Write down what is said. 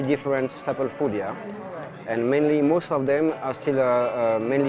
dan kebanyakan kebanyakan mereka masih ada di sini di tempat ini